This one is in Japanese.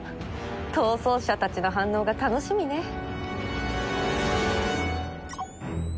逃走者たちの反応が楽しみね。